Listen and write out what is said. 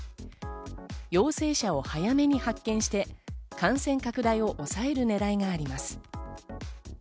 陽性者を早めに発見して感染拡大を抑えるねらいがあります。